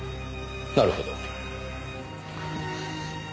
なるほど。